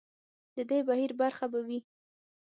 د دې بهیر برخه به وي.